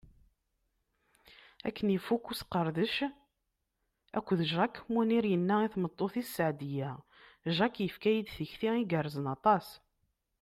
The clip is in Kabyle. Akken ifuk usqerdec akked Jack, Munir yenna i tmeṭṭut-is Seɛdiya: Jack yefka-yi-d tikti igerrzen aṭas.